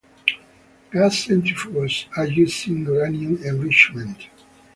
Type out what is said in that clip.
Gas centrifuges are used in uranium enrichment.